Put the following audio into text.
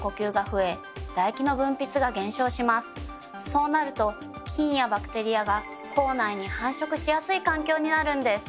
そうなると菌やバクテリアが口内に繁殖しやすい環境になるんです。